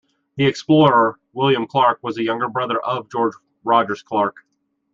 The explorer William Clark was a younger brother of George Rogers Clark.